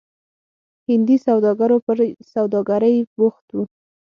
هندي سوداګرو پر سوداګرۍ بوخت وو.